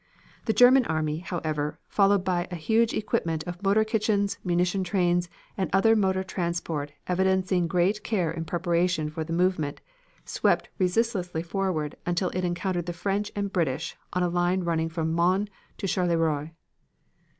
The German army, however, followed by a huge equipment of motor kitchens, munition trains, and other motor transport evidencing great care in preparation for the movement, swept resistlessly forward until it encountered the French and British on a line running from Mons to Charleroi.